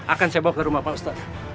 akan saya bawa ke rumah pak ustadz